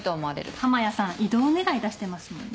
浜谷さん異動願出してますもんね。